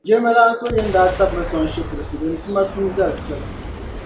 jilimalana Suhuyini daa tabi mi soŋ shikuruti din tuma tum zali soli.